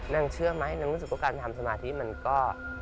เชื่อไหมนางรู้สึกว่าการทำสมาธิมันก็